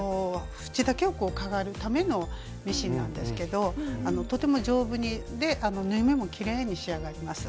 縁だけをかがるためのミシンなんですけどとても丈夫で縫い目もきれいに仕上がります。